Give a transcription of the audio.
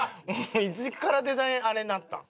いつからデザインあれになったん？